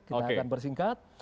kita akan bersingkat